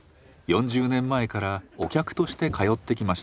４０年前からお客として通ってきました。